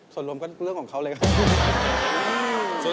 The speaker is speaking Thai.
ส่วนรวมก็เรื่องของเขาเลยครับ